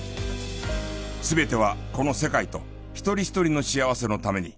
全てはこの世界と一人一人の幸せのために。